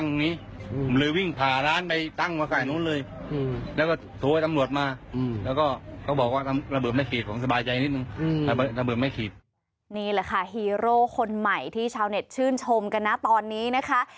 นี่แหละค่ะฮีโร่คนใหม่ที่ชาวเน็ตชื่นชมกันนะตอนนี้นะคะ